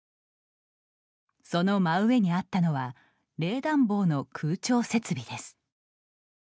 その真上にあったのは冷暖房の空調設備です。